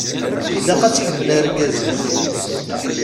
Ilaq ad tḥemmel argaz-is.